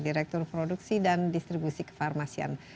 direktur produksi dan distribusi kefarmasian